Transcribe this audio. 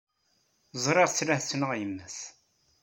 Ẓriɣ-t la t-tettnaɣ yemma-s.